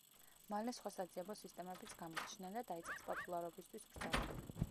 მალე სხვა საძიებო სისტემებიც გამოჩნდნენ და დაიწყეს პოპულარობისთვის ბრძოლა.